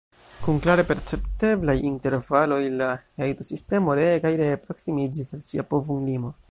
Kun klare percepteblaj intervaloj, la hejtosistemo ree kaj ree proksimiĝis al sia povum-limo.